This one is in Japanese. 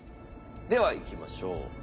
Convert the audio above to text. ではいきましょう。